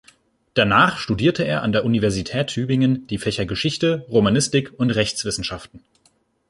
Danach studierte er an der Universität Tübingen die Fächer Geschichte, Romanistik und Rechtswissenschaften.